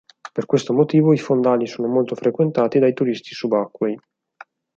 Per questo motivo i fondali sono molto frequentati dai turisti subacquei.